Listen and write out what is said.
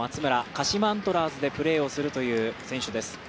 鹿島アントラーズでプレーをするという選手です。